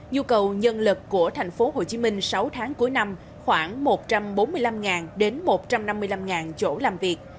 nhu cầu nhân lực của tp hcm sáu tháng cuối năm khoảng một trăm bốn mươi năm đến một trăm năm mươi năm chỗ làm việc